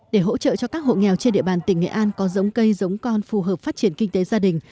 để hỗ trợ cho các hộ nghèo trên địa bàn tỉnh nghệ an có giống cây giống con phù hợp phát triển kinh tế gia đình